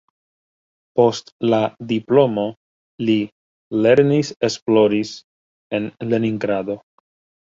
Post la diplomo li lernis-esploris en Leningrado.